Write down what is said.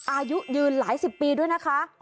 อายุยืนหลายสิบปีด้วยนะคะ